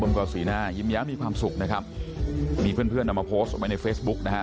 บ้มก่อสีหน้ายิ้มย้ามีความสุขนะครับมีเพื่อนเอามาโพสต์ไว้ในเฟซบุ๊คนะฮะ